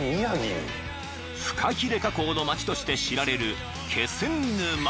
［フカヒレ加工の街として知られる］